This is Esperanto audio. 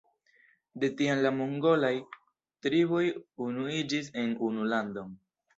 De tiam la mongolaj triboj unuiĝis en unu landon.